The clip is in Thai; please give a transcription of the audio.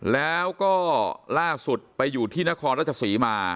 แล้วก็ล่าสุดไปอยู่ที่นครราชศรีมา